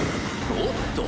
おっと！